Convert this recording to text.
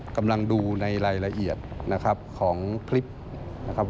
กำลังดูในรายละเอียดนะครับของคลิปนะครับ